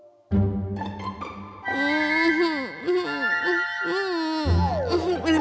lima menit lagi